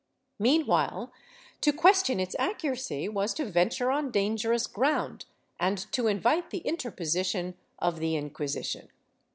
Meanwhile to question its accuracy was to venture on dangerous ground and to invite the interposition of the Inquisi tion.